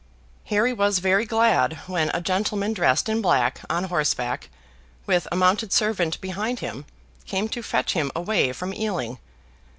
Harry was very glad when a gentleman dressed in black, on horseback, with a mounted servant behind him, came to fetch him away from Ealing.